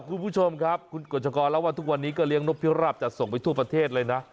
คุณผู้ชมครับคุณกฎชกรเล่าว่าทุกวันนี้ก็เลี้ยนกพิราบจัดส่งไปทั่วประเทศเลยนะ